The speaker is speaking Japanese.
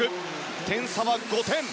点差は５点。